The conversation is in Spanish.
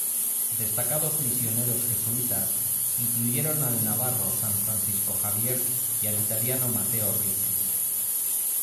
Destacados misioneros jesuitas incluyeron al navarro San Francisco Javier y al italiano Matteo Ricci.